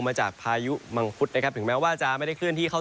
มาจากพายุมังคุดนะครับถึงแม้ว่าจะไม่ได้เคลื่อนที่เข้า